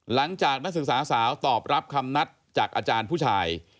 นักศึกษาสาวตอบรับคำนัดจากอาจารย์ผู้ชาย